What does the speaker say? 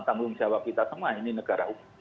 tanggung jawab kita semua ini negara hukum